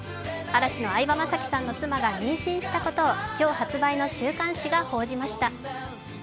嵐の相葉雅紀さんの妻が妊娠したことを今日発売の週刊誌が報じました。